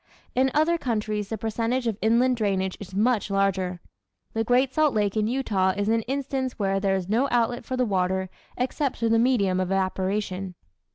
In other countries the percentage of inland drainage is much larger. The great Salt Lake in Utah is an instance where there is no outlet for the water except through the medium of evaporation.